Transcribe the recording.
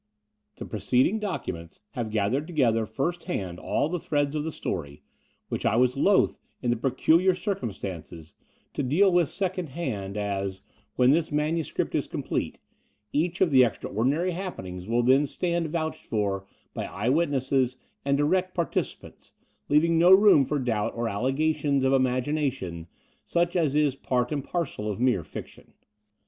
The pre ceding documents have gathered together first hand all the threads of the story, which I was loth in the peculiar circumstances to deal with second 68 The Door of the Unreal hand, as, when this manuscript is complete, each of the extraordinary happenings will then stand vouched for by eyewitnesses and direct partici pators, leaving no room for doubt or allegations of imagination, such as is part and parcel of mere fiction.